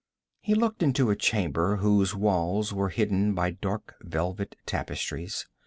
He looked into a chamber whose walls were hidden by dark velvet tapestries.